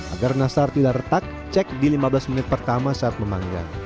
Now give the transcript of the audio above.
agar nastar tidak retak cek di lima belas menit pertama saat memanggang